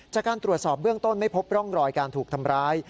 จากการตรวจสอบเบื้องต้นไม่พบร่องรอยการถูกทำร้าย